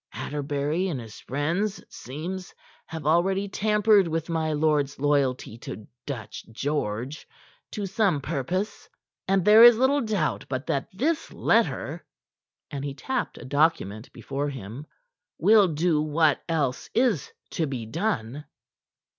Atterbury and his friends, it seems, have already tampered with my lord's loyalty to Dutch George to some purpose, and there is little doubt but that this letter" and he tapped a document before him "will do what else is to be done.